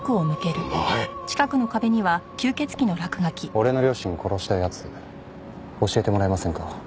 俺の両親を殺した奴教えてもらえませんか？